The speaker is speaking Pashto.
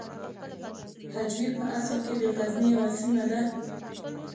هجویر په اصل کې د غزني یوه سیمه ده.